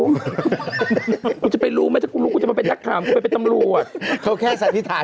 กูจะไปรู้ไหมถ้ากูรู้กูจะมาไปดักถามกูไปไปตำรวจเขาแค่สัธิฐา